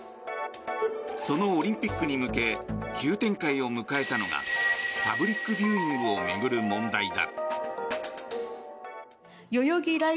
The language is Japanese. そのオリンピックに向け急展開を迎えたのがパブリックビューイングを巡る問題だ。